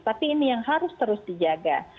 tapi ini yang harus terus dijaga